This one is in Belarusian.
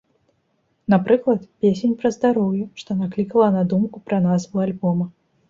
Напрыклад, песень пра здароўе, што наклікала на думку пра назву альбома.